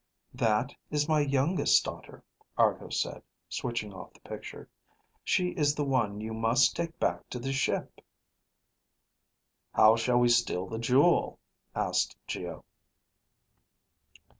"That is my youngest daughter," Argo said, switching off the picture. "She is the one you must take back to the ship." "How shall we steal the jewel?" asked Geo.